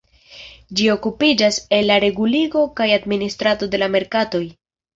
Ĝi okupiĝas el la reguligo kaj administrado de la merkatoj.